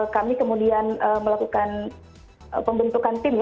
kami kemudian melakukan pembentukan tim